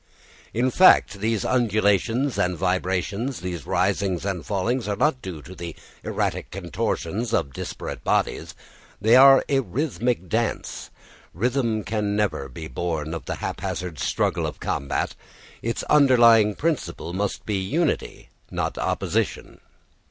In fact, these undulations and vibrations, these risings and fallings, are not due to the erratic contortions of disparate bodies, they are a rhythmic dance. Rhythm never can be born of the haphazard struggle of combat. Its underlying principle must be unity, not opposition.